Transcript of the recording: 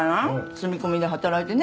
住み込みで働いてね。